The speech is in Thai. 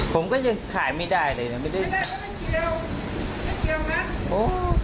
ผมก็ยังขายไม่ได้เลยนะไม่ได้เกี่ยวไม่เกี่ยวนะโอ้